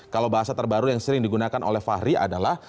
kalau bahasa terbaru yang sering digunakan oleh fahri adalah